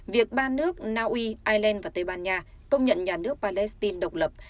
việc ba nước naui ireland và tây ban nha công nhận nhà nước palestine độc lập